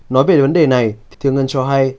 nói về vấn đề này thiêng ngân cho hay